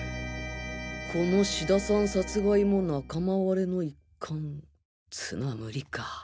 この志田さん殺害も仲間割れの一環つのはムリか